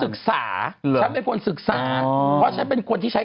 กันชาอยู่ในนี้